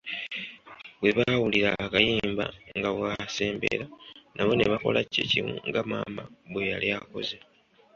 Bwe baawulira akayimba nga bw'asembera, nabo ne bakola kye kimu nga maama we bwe yali akoze .